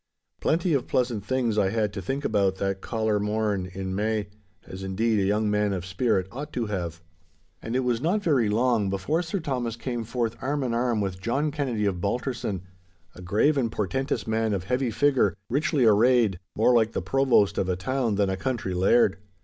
Plenty of pleasant things I had to think about that caller morn in May, as indeed a young man of spirit ought to have. And it was not very long before Sir Thomas came forth arm in arm with John Kennedy of Balterson, a grave and portentous man of heavy figure, richly arrayed, more like the provost of a town than a country laird.